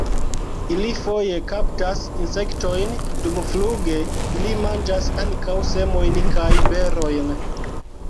Ili foje kaptas insektojn dumfluge; ili manĝas ankaŭ semojn kaj berojn.